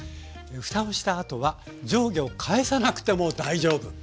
ふたをしたあとは上下を返さなくても大丈夫。